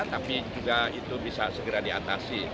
tapi juga itu bisa segera diatasi